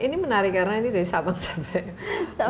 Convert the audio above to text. ini menarik karena ini dari sabang sampai